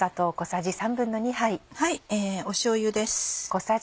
しょうゆです。